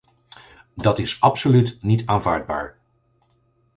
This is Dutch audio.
Dat is absoluut niet aanvaardbaar.